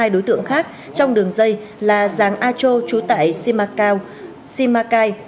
hai đối tượng khác trong đường dây là giáng a chô chú tại simacai